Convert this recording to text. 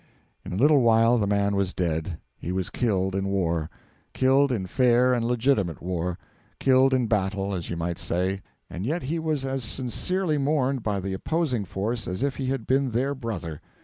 In a little while the man was dead. He was killed in war; killed in fair and legitimate war; killed in battle, as you might say; and yet he was as sincerely mourned by the opposing force as if he had been their brother.